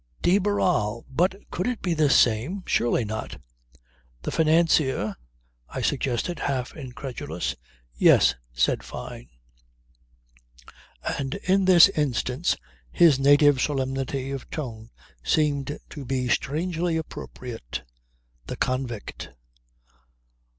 De Barral! But could it be the same? Surely not! "The financier?" I suggested half incredulous. "Yes," said Fyne; and in this instance his native solemnity of tone seemed to be strangely appropriate. "The convict."